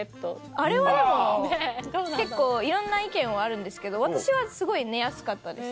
あれはでも結構いろんな意見はあるんですけど私はすごい寝やすかったです。